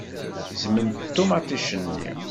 Gezment ṭumaṭic-nni.